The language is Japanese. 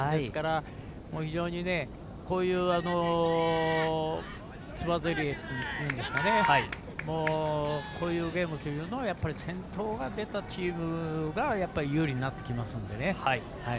非常に、こういうつばぜり合いというんですかこういうゲームというのはやっぱり先頭が出たチームが有利になってきますのでね。